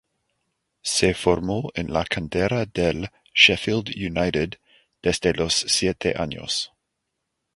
Se formó en la cantera del Sheffield United desde los siete años.